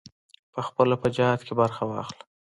پخپله په جهاد کې برخه واخله.